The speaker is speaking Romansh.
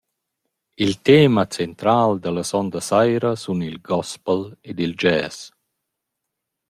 Il tema central da la sonda saira sun il gospel ed il jazz.